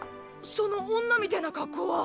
その女みてぇな格好は。